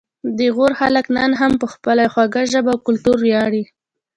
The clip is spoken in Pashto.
د غور خلک نن هم په خپله خوږه ژبه او کلتور ویاړي